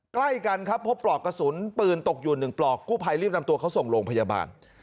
ใกล้กันครับพบปลอกกระสุนปืนตกอยู่๑ปลอกกู้ภัยรีบนำตัวเขาส่งโรงพยาบาล